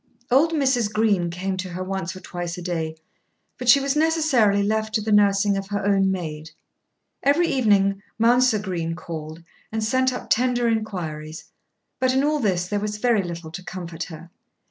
Old Mrs. Green came to her once or twice a day, but she was necessarily left to the nursing of her own maid. Every evening Mounser Green called and sent up tender enquiries; but in all this there was very little to comfort her.